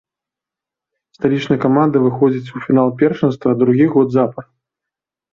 Сталічная каманда выходзіць у фінал першынства другі год запар.